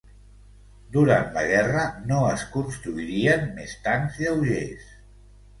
Durant la guerra no es construirien més tancs lleugers.